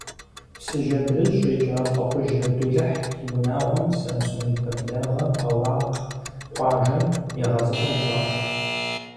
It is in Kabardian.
Псыжь адрыщӀ икӀа ЛӀыхужь Абдулыхь и унагъуэм Самсун пэблагъэ Къэуакъ къуажэр егъэзыпӀэ ищӀащ.